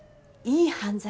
いい犯罪？